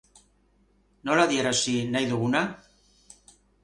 Nola adierazi nahi duguna?